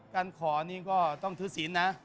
การขอนี่ก็ต้องถือศีลนะ